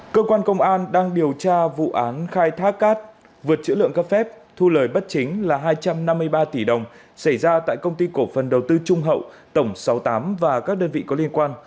cơ quan công an đang điều tra vụ án khai thác cát vượt chữ lượng các phép thu lời bất chính là hai trăm năm mươi ba tỷ đồng xảy ra tại công ty cổ phần đầu tư trung hậu tổng sáu mươi tám và các đơn vị có liên quan